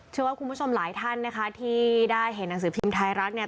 เชื่อว่าคุณผู้ชมหลายท่านนะคะที่ได้เห็นหนังสือพิมพ์ไทยรัฐเนี่ย